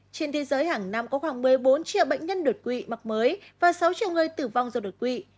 trên thế giới hàng năm có khoảng một mươi bốn triệu bệnh nhân đột quỵ mắc mới và sáu triệu người tử vong do đột quỵ